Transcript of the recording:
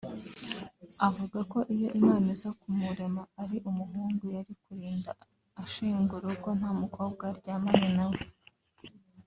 avuga ko iyo Imana iza kumurema ari umuhungu yari kurinda ashinga urugo nta mukobwa aryamanye na we